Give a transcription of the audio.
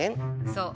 そう。